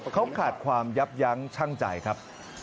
เขาขาดความยับยั้งชั่งใจครับ